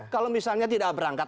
kalau misalnya tidak berangkat